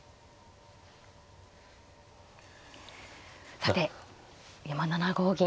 さて今７五銀と。